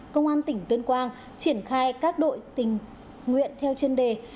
công an tỉnh tuyên quang triển khai các đội tình nguyện theo chuyên đề